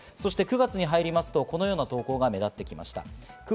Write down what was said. そして９月に入ると、このような投稿が目立ってきました。